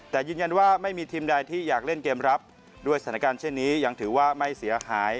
แต่ยืนยันว่าไม่มีทีมใดที่อยากเล่นเกมรับด้วยสถานการณ์เช่นนี้ยังถือว่าไม่เสียหาย